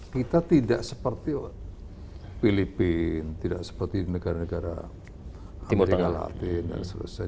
kita tidak seperti filipina tidak seperti negara negara amerika latin dan sebagainya